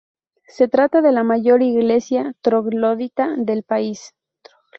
Se trata de la mayor iglesia troglodita del país.